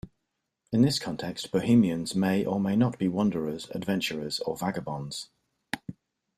In this context, Bohemians may or may not be wanderers, adventurers, or vagabonds.